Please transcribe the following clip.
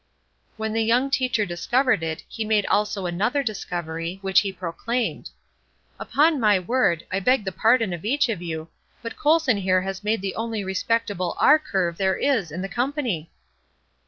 When the young teacher discovered it he made also another discovery, which he proclaimed: "Upon my word, I beg the pardon of each of you, but Colson here has made the only respectable R curve there is in the company."